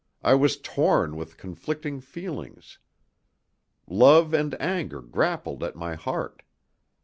I was torn with conflicting feelings. Love and anger grappled at my heart.